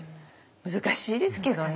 難しいですけどね。